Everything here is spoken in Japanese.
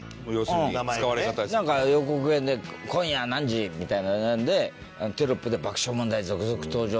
なんか予告編で「今夜何時」みたいなのでテロップで「爆笑問題続々登場！」